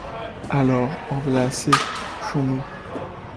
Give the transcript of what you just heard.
Alors, en v’là assez, couchons-nous...